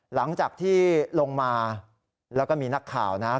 หลังจากที่ลงมาแล้วก็มีนักข่าวนะครับ